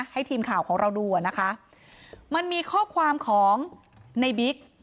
ให้ทีมข่าวของเราดูอ่ะนะคะมันมีข้อความของในบิ๊ก